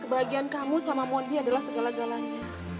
kebahagiaan kamu sama modi adalah segala galanya